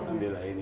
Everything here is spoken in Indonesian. ambil lah ini